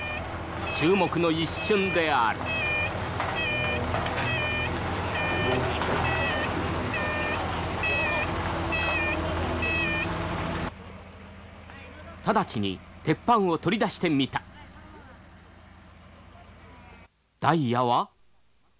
注目の一瞬である直ちに鉄板を取り出してみたダイヤは？